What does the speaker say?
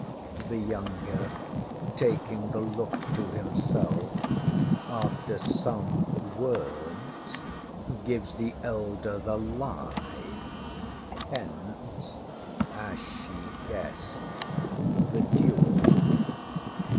The younger, taking the look to himself, after some words gives the elder the lie. Hence, as she guessed, the duel.